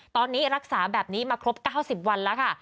ตอนนี้รักษาแบบนี้มาครบ๙๐วันแล้วค่ะ